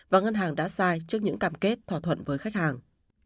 và ngân hàng đã sai trước những cam kết thỏa thuận với khách hàng